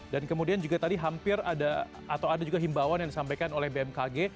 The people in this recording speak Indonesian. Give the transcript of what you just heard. dan kemudian juga tadi hampir ada atau ada juga himbawan yang disampaikan oleh bmkg